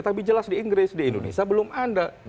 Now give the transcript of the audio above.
tapi jelas di inggris di indonesia belum ada